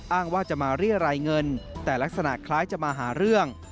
อ้างว่าจะมาเรียรายเงินแต่ลักษณะคล้ายจะมาหาเรื่อง